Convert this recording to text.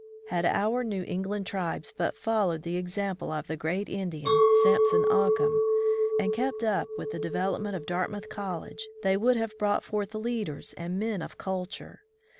Had our New England tribes but followed the example of that great Indian, Samson Occum, and kept up with the development of Dartmouth College, they would have brought forth leaders and men of culture.